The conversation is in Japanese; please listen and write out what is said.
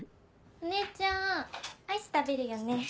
お姉ちゃんアイス食べるよね？